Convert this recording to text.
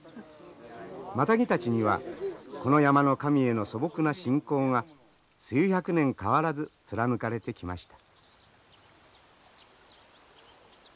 マタギたちにはこの山の神への素朴な信仰が数百年変わらず貫かれてきました。